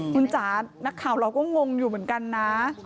คุณจ๋านักข่าวเราก็งงอยู่เหมือนกันนะ